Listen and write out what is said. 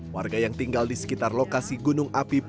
warga yang tinggal di sekitar lokasi gunung api